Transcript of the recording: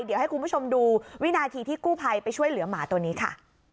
เดี๋ยวให้คุณผู้ชมดูวินาทีที่กู้ภัยไปช่วยเหลือหมาตัวนี้ค่ะ